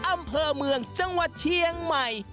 อำเภอเมืองจังหวัดเชียงใหม่